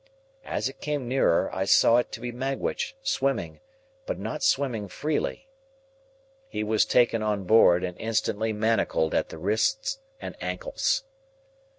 As it came nearer, I saw it to be Magwitch, swimming, but not swimming freely. He was taken on board, and instantly manacled at the wrists and ankles.